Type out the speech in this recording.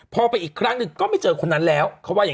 พอไปอีกครั้งนึงก็ไม่เจอคนนั้นแล้ว